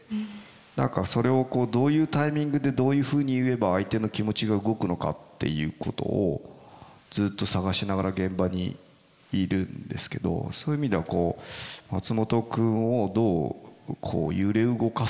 何かそれをどういうタイミングでどういうふうに言えば相手の気持ちが動くのかっていうことをずっと探しながら現場にいるんですけどそういう意味では松本君をどう揺れ動かすかっていうか。